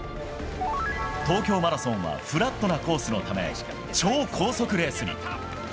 東京マラソンはフラットなコースのため、超高速レースに。